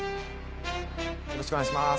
よろしくお願いします。